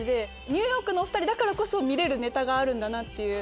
ニューヨークのお２人だからこそ見れるネタがあるんだなっていう。